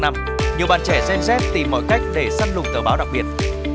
nhiều bạn trẻ xem xét tìm mọi cách để săn lùng tờ báo đặc biệt